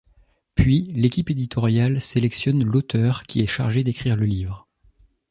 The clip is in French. Puis, l'équipe éditoriale sélectionne l'auteur qui est chargé d'écrire le livre.